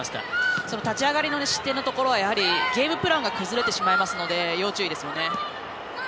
立ち上がりの失点のところゲームプランが崩れてしまいますので要注意ですよね。